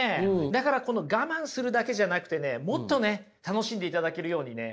だから我慢するだけじゃなくてねもっと楽しんでいただけるようにね